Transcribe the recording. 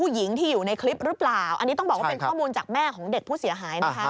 หรือเปล่าอันนี้ต้องบอกว่าเป็นข้อมูลจากแม่ของเด็กผู้เสียหาย